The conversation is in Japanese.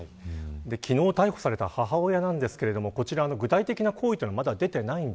昨日逮捕された母親ですが具体的な行為はまだ出ていません。